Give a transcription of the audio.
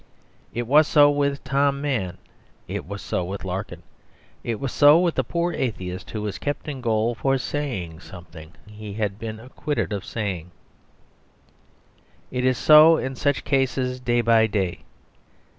It was so with Tom Mann; it was so with Larkin; it was so with the poor atheist who was kept in gaol for saying something he had been acquitted of saying: it is so in such cases day by day.